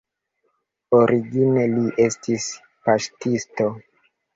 Origine li estis paŝtisto.